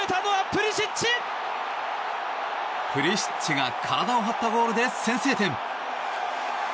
プリシッチが体を張ったゴールで先制点。